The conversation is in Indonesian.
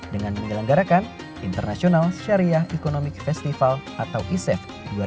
dengan menyelenggarakan international syariah economic festival atau isef dua ribu dua puluh